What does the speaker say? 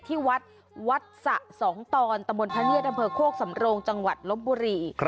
ที่วัดวัดศสองตอนตมพคสำโรงจังหวัดลมบุรี